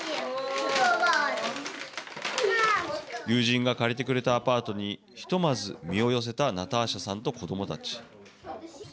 友人が借りてくれたアパートにひとまず身を寄せたナターシャさんと子どもたち。